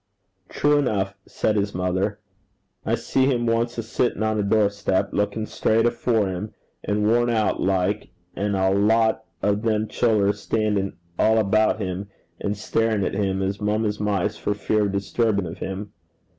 'True enough,' said his mother. 'I see him once a sittin' on a door step, lookin' straight afore him, and worn out like, an' a lot o' them childer standin' all about him, an' starin' at him as mum as mice, for fear of disturbin' of him.